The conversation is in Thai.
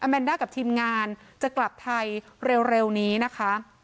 แมนด้ากับทีมงานจะกลับไทยเร็วนี้นะคะ